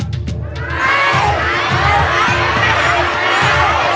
ใช้